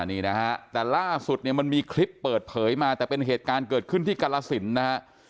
นี่นะฮะแต่ล่าสุดเนี่ยมันมีคลิปเปิดเผยมาแต่เป็นเหตุการณ์เกิดขึ้นที่กรสินนะฮะ